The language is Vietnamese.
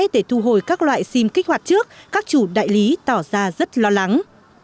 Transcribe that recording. để thu hồi các loại sim kích hoạt trước các chủ đại lý tỏ ra rất lo lắng